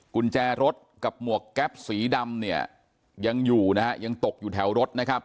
กุญแจรถกับหมวกแก๊วป์สีดำยังอยู่ยังตกอยู่แถวรถนะครับ